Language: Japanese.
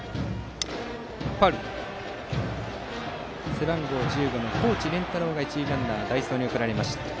背番号１５の河内廉太朗が一塁ランナーとして代走に送られました。